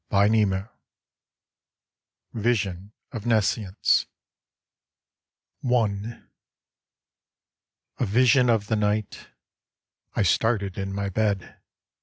VISION OF NESCIENCE I A vision of the night. I started in my bed.